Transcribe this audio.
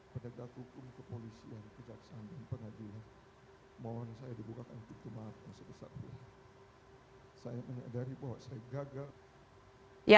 pembacaan tersebut dikirimkan oleh jaksa penuntut umum